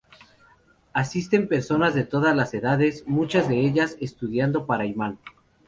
Asisten personas de todas las edades, muchas de ellas estudiando para imán.